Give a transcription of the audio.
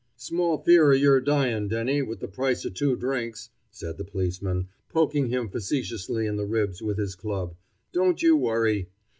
"Small fear of yer dying, Denny, with the price of two drinks," said the policeman, poking him facetiously in the ribs with his club. "Don't you worry.